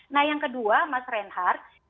nah yang kedua mas reinhardt